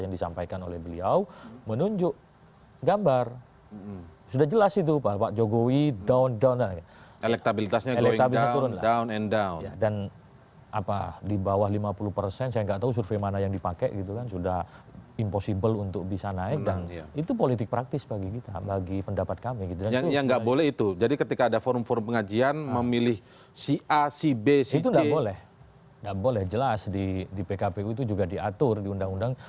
di pkpu itu juga diatur di undang undang